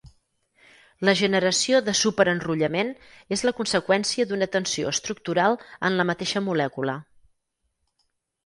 La generació de superenrotllament és la conseqüència d'una tensió estructural en la mateixa molècula.